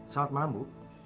selamat malam bu